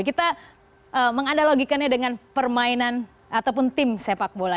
kita menganalogikannya dengan permainan ataupun tim sepak bola